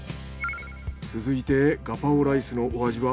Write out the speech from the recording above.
続いてガパオライスのお味は？